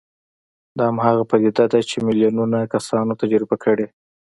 دا هماغه پديده ده چې ميليونونه کسانو تجربه کړې.